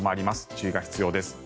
注意が必要です。